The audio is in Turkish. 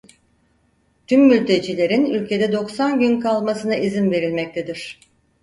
Tüm mültecilerin ülkede doksan gün kalmasına izin verilmektedir.